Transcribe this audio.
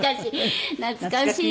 懐かしい。